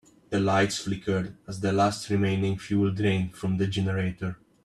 Lights flickered as the last remaining fuel drained from the generator.